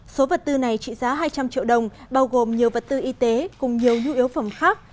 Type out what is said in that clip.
số vật tư này trị giá hai trăm linh triệu đồng bao gồm nhiều vật tư y tế cùng nhiều nhu yếu phẩm khác